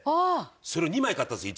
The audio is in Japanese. それを２枚買ったんですよ